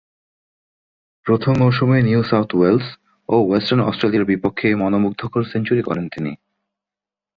প্রথম মৌসুমে New South Wales ও ওয়েস্টার্ন অস্ট্রেলিয়ার বিপক্ষে মনোমুগ্ধকর সেঞ্চুরি করেন তিনি।